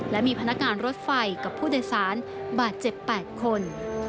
และมีพนักงานรถไฟกับผู้โดยสารบาดเจ็บ๘คน